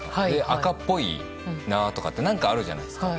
赤っぽいなとかって何かあるじゃないですか。